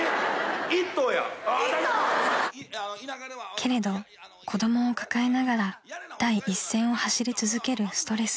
［けれど子供を抱えながら第一線を走り続けるストレスは］